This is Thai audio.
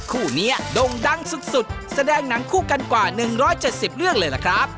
คู่นี้ด่งดังสุดแสดงหนังคู่กันกว่า๑๗๐เรื่องเลยล่ะครับ